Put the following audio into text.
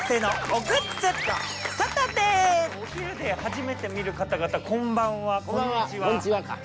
お昼で初めて見る方々こんばんはこんにちは。